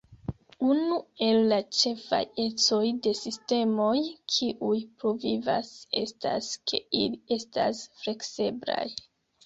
Unu el la ĉefaj ecoj de sistemoj kiuj pluvivas estas ke ili estas flekseblaj.